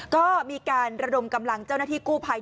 ก็มีการระดมกำลังเจ้าหน้าที่กู้ภัย